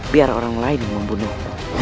biar orang lain membunuh